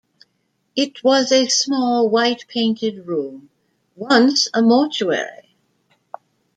It was a small, white painted room, once a mortuary.